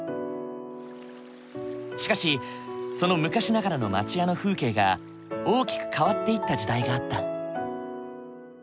しかしその昔ながらの町家の風景が大きく変わっていった時代があった。